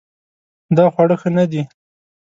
دا خواړه ښه نه دي